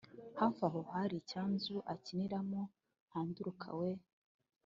hafi aho hari icyanzu, akihinamo, handuruka we!